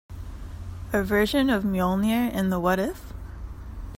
A version of Mjolnir in the What If?